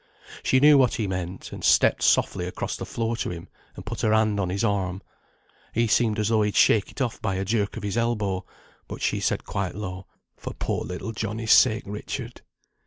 She knew what he meant, and stepped softly across the floor to him, and put her hand on his arm. He seem'd as though he'd shake it off by a jerk on his elbow, but she said quite low, 'For poor little Johnnie's sake, Richard.'